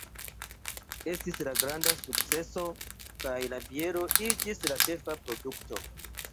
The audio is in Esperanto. Estis granda sukceso kaj la biero iĝis la ĉefa produkto.